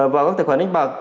vào các tài khoản đánh bạc